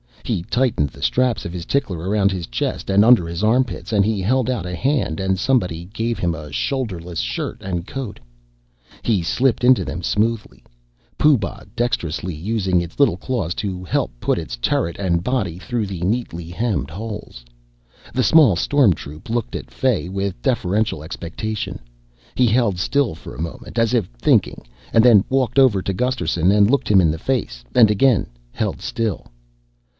He tightened the straps of his tickler around his chest and under his armpits. He held out a hand and someone gave him a shoulderless shirt and coat. He slipped into them smoothly, Pooh Bah dexterously using its little claws to help put its turret and body through the neatly hemmed holes. The small storm troop looked at Fay with deferential expectation. He held still for a moment, as if thinking, and then walked over to Gusterson and looked him in the face and again held still.